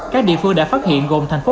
các địa phương đã phát hiện gồm thành phố